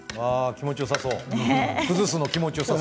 気持ちよさそう。